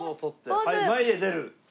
はい前へ出る。